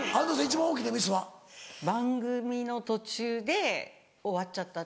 番組の途中で終わっちゃった。